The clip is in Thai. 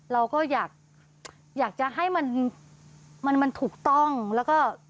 เราก็อยากจะให้มันมันถูกต้องแล้วก็